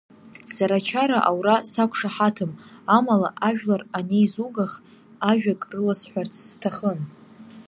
Сара ачара аура сақәшаҳаҭым, амала ажәлар анеизугах ажәак рыласҳәарц сҭахын.